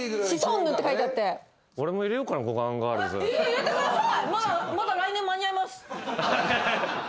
入れてください！